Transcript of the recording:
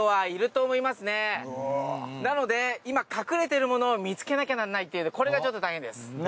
なので今隠れてるものを見つけなきゃなんないっていうんでこれがちょっと大変です。